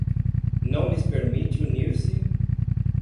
não lhes permite unir-se